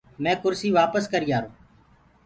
مينٚ ڪُرسي وآپس ڪريآرو۔